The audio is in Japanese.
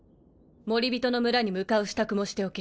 モリビトの村に向かう支度もしておけ。